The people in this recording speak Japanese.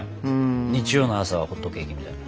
日曜の朝はホットケーキみたいな。